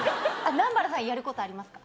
南原さんやることありますか？